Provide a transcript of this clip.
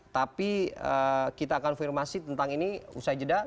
tapi kita akan konfirmasi tentang ini usai jeda